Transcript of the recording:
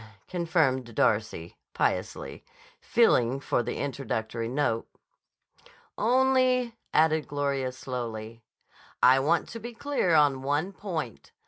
confirmed Darcy piously, feeling for the introductory note. "Only," added Gloria slowly, "I want to be clear on one point.